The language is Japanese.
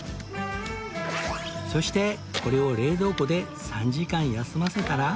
そしてこれを冷蔵庫で３時間休ませたら